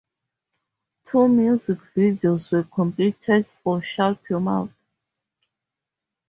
Two music videos were completed for "Shut Your Mouth".